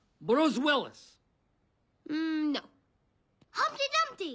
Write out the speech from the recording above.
ハンプティ・ダンプティ。